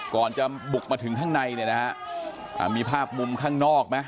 ก่อนจะบุกมาถึงข้างในเนี่ยนะฮะอ่ามีภาพมุมข้างนอกไหม